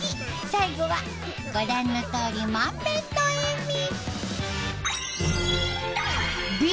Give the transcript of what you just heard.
最後はご覧のとおり満面の笑み。